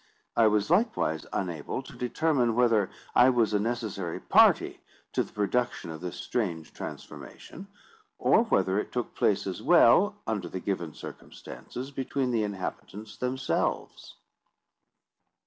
I was likewise unable to determine whether I was a necessary party to the production of this strange transformation, or whether it took place as well, under the given circumstances, between the inhabitants themselves.